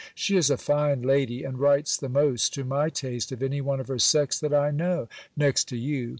She is a fine lady, and writes the most to my taste of any one of her sex that I know, next to you.